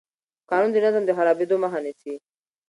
قانون د نظم د خرابېدو مخه نیسي.